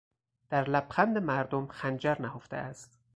در لبخند مردم خنجر نهفته است.